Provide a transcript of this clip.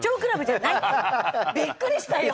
びっくりしたよ。